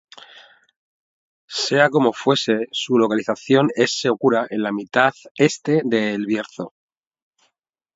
Sea como fuese su localización es segura en la mitad Este de El Bierzo.